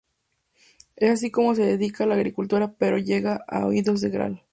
Es así como se dedica a la agricultura pero llega a oídos del Gral.